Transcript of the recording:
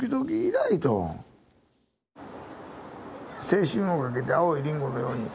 青春をかけて青いりんごのように。